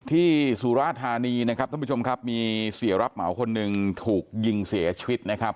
สุราธานีนะครับท่านผู้ชมครับมีเสียรับเหมาคนหนึ่งถูกยิงเสียชีวิตนะครับ